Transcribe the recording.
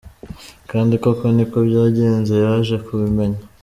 Kandi koko niko byagenze, yaje kubimenya.